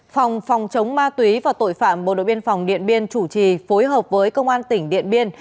phòng phòng chống ma túy và tội phạm bộ đội biên phòng điện biên chủ trì phối hợp với công an tỉnh điện biên